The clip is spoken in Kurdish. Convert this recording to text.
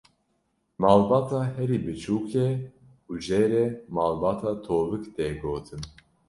Malbata herî biçûk e û jê re malbata tovik tê gotin.